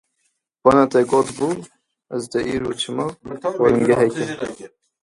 Pane, te got bû, ez dê îro çima xwaringehekê